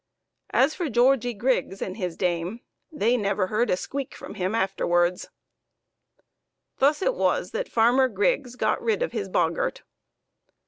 As for Georgie Griggs and his dame, they never heard a squeak from him afterwards. Thus it was that Farmer Griggs got rid of his boggart.